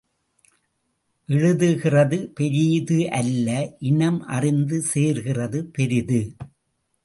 எழுதுகிறது பெரிது அல்ல இனம் அறிந்து சேர்க்கிறது பெரிது.